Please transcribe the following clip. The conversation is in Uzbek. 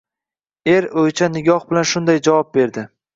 Er o`ychan nigoh bilan shunday javob berdi